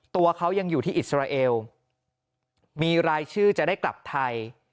ตัวเขายังอยู่ที่อิสราเอลมีรายชื่อจะได้กลับไทย